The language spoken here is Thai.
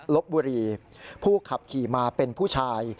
ลบบุรีผู้ขับขี่มาเป็นผู้ชาย